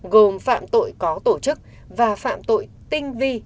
gồm phạm tội có tổ chức và phạm tội tinh vi